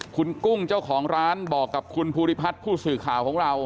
คุณกุ้งเจ้าของร้านบอกกับคุณภูริพัฒน์ผู้สื่อข่าวของเรา